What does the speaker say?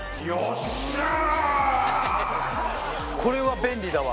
これは便利だわ。